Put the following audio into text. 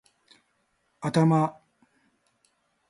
頭